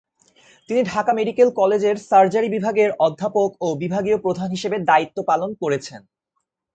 তিনি ঢাকা মেডিকেল কলেজের সার্জারি বিভাগের অধ্যাপক ও বিভাগীয় প্রধান হিসেবে দায়িত্ব পালন করেছেন।